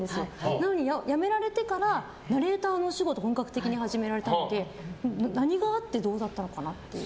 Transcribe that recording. なのに、辞められてからナレーターのお仕事を本格的に始められたので何があってどうだったのかなって。